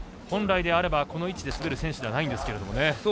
本来であればこの位置で滑る選手ではないんですが。